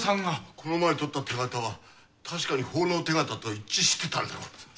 この前とった手形は確かに奉納手形と一致してたんだろ？